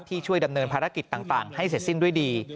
ช่วยดำเนินภารกิจต่างให้เสร็จสิ้นด้วยดี